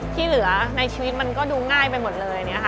ที่เหลือในชีวิตมันก็ดูง่ายไปหมดเลย